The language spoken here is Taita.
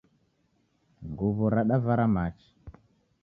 Nguwo radavara machi